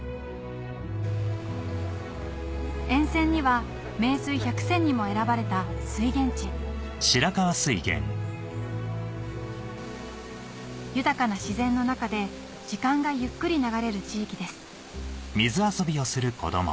沿線には名水百選にも選ばれた水源地豊かな自然の中で時間がゆっくり流れる地域です